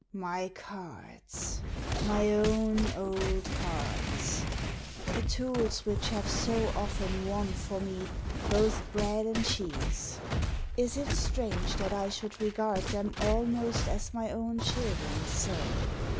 " My cards ! My own old cards ! The tools which have so often won for me both bread and cheese 1 Is it strange that I should regard them almost as my own children, sir?